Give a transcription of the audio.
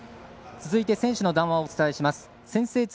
続いて選手の談話をお伝えします。